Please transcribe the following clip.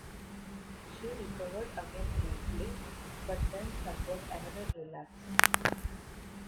She recovered again briefly, but then suffered another relapse.